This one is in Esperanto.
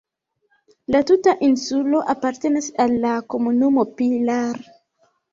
La tuta insulo apartenas al la komunumo Pilar.